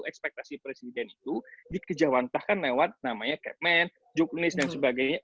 ekspektasi presiden itu dikejawantahkan lewat namanya capman juknis dan sebagainya